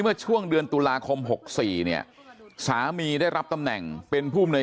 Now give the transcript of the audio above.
เมื่อช่วงเดือนตุลาคม๖๔เนี่ยสามีได้รับตำแหน่งเป็นผู้มนวย